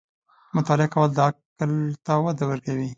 • مطالعه کول، د عقل ته وده ورکوي.